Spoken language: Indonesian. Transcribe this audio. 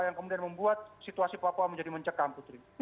yang kemudian membuat situasi papua menjadi mencekam putri